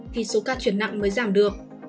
thì số ca chuyển nặng mới giảm được